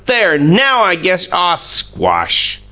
There! NOW, I guess you " "Aw, squash!"